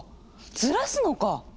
ずらすのか！